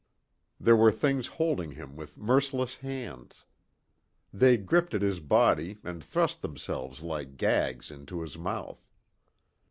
There were things holding him with merciless hands. They gripped at his body and thrust themselves like gags into his mouth.